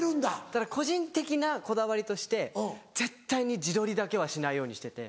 だから個人的なこだわりとして絶対に自撮りだけはしないようにしてて。